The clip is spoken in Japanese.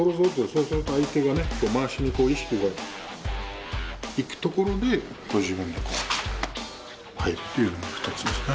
そうすると相手がまわしに意識がいくところで自分で、こう入るというのが２つ目ですね。